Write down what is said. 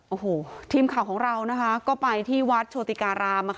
โอ้โหทีมข่าวของเรานะคะก็ไปที่วัดโชติการาม